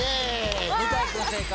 向井君正解。